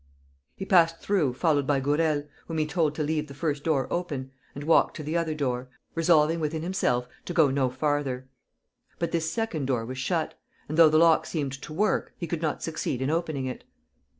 He passed through, followed by Gourel, whom he told to leave the first door open, and walked to the other door, resolving within himself to go no farther. But this second door was shut; and though the lock seemed to work, he could not succeed in opening it.